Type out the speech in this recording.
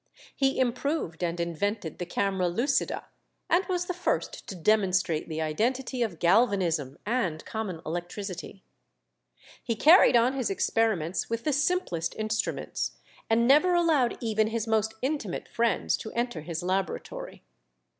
He improved and invented the camera lucida, and was the first to demonstrate the identity of galvanism and common electricity. He carried on his experiments with the simplest instruments, and never allowed even his most intimate friends to enter his laboratory.